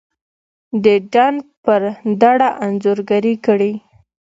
دډنډ پر دړه انځورګري کړي